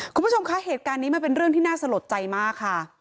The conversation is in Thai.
คุณผู้ชมคะเหตุการณ์นี้มันเป็นเรื่องที่น่าสลดใจมากค่ะ